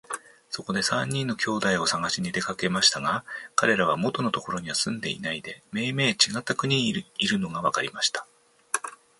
そこで三人の兄弟をさがしに出かけましたが、かれらは元のところには住んでいないで、めいめいちがった国にいるのがわかりました。